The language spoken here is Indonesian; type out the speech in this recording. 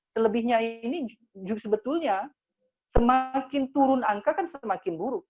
selebihnya ini sebetulnya semakin turun angka kan semakin buruk